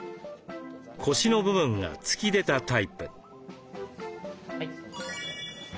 腰の部分が突き出たタイプ。